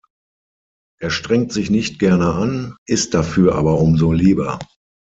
Er strengt sich nicht gerne an, isst dafür aber umso lieber.